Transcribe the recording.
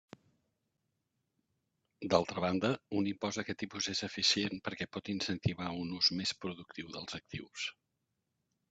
D'altra banda, un impost d'aquest tipus és eficient perquè pot incentivar un ús més productiu dels actius.